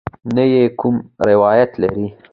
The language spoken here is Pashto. نه یې کوم روایت لرې.